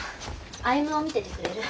歩を見ててくれる？